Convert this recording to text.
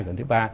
lần thứ ba